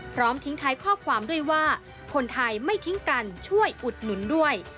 พร้อมทิ้งท้ายข้อความด้วยว่าคนไทยไม่ทิ้งกันช่วยอุดหนุนด้วย